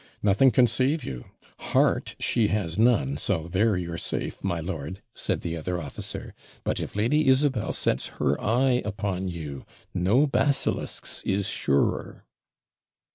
Nothing can save you. Heart she has none, so there you're safe, my lord,' said the other officer; 'but if Lady Isabel sets her eye upon you, no basilisk's is surer.'